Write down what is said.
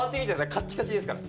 カッチカチですから。